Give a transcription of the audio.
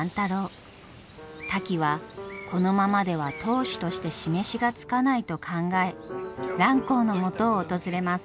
タキはこのままでは当主として示しがつかないと考え蘭光のもとを訪れます。